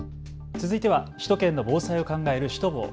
続いては首都圏の防災を考えるシュトボー。